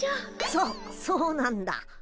そそうなんだ。